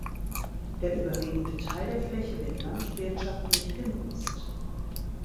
Der überwiegende Teil der Fläche wird landwirtschaftlich genutzt.